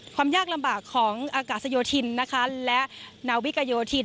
ความยากลำบากของอากาศโยธินนะคะและนาวิกโยธิน